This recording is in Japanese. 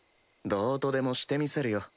どうとでもしてみせるよ。